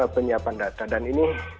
penyiapan data dan ini